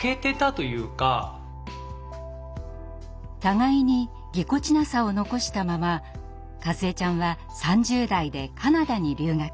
互いにぎこちなさを残したままかずえちゃんは３０代でカナダに留学。